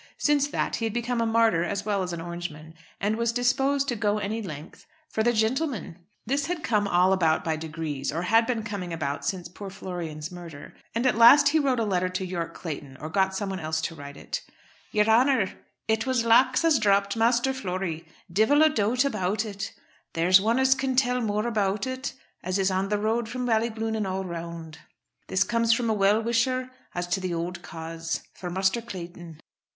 Since that he had become a martyr as well as an Orangeman, and was disposed to go any length "for the gintl'men." This had come all about by degrees had been coming about since poor Florian's murder; and at last he wrote a letter to Yorke Clayton, or got someone else to write it: "Yer Honour, It was Lax as dropped Master Flory. Divil a doubt about it. There's one as can tell more about it as is on the road from Ballyglunin all round. This comes from a well wisher to the ould cause. For Muster Clayton."